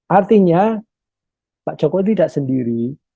artinya pak jokowi tidak sendiri